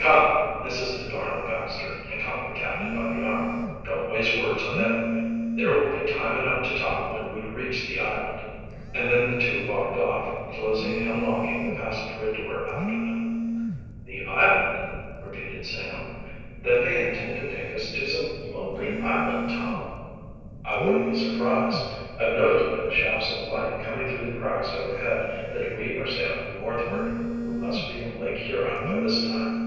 "Come," insisted Arnold Baxter, and caught the captain by the arm. "Don't waste words on them. There will be time enough to talk when we reach the island." And then the two walked off, closing and locking the passageway door after them. "The island?" repeated Sam. "Then they intend to take us to some lonely island, Tom!" "I wouldn't be surprised. I've noticed by the shafts of light coming through the cracks overhead that we are sailing northward. We must be in Lake Huron by this time."